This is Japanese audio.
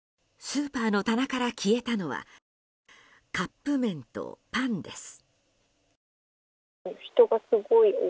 スーパーの棚から消えたのはカップ麺とパンです。